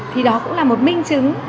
thì đó cũng là một minh chứng